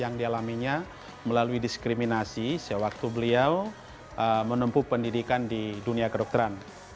yang dialaminya melalui diskriminasi sewaktu beliau menempuh pendidikan di dunia kedokteran